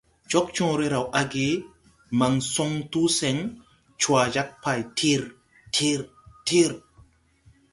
Cogcõõre raw age, man soŋ tu sen, cwa jag pay tir tir tir.